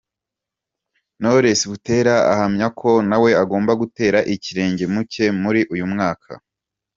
Knowless Butera ahamya ko na we agomba gutera ikirenge mu cye muri uyu mwaka.